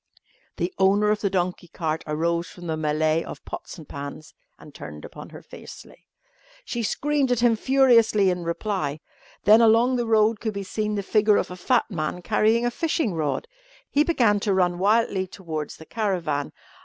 The owner of the donkey cart arose from the mêlée of pots and pans and turned upon her fiercely. She screamed at him furiously in reply. Then along the road could be seen the figure of a fat man carrying a fishing rod. He began to run wildly towards the caravan.